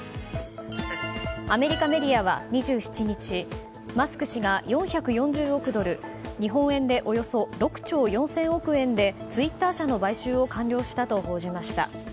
アメリカメディアは２７日マスク氏が４４０億ドル日本円でおよそ６兆４０００億円でツイッター社の買収を完了したと報じました。